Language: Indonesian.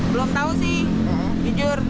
belum tahu sih jujur